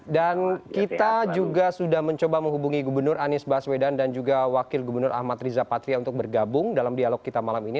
dan kita juga sudah mencoba menghubungi gubernur anies baswedan dan juga wakil gubernur ahmad riza patria untuk bergabung dalam dialog kita malam ini